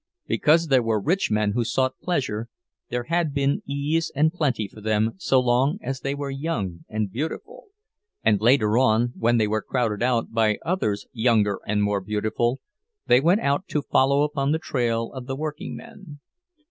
Because there were rich men who sought pleasure, there had been ease and plenty for them so long as they were young and beautiful; and later on, when they were crowded out by others younger and more beautiful, they went out to follow upon the trail of the workingmen.